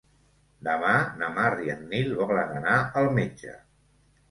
Demà na Mar i en Nil volen anar al metge.